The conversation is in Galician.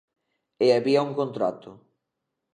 E había un contrato.